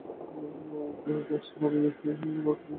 গ্লাসটা নামিয়ে রেখে কেসটা আবার খুলুন, স্যার।